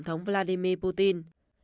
tổng thống vladimir putin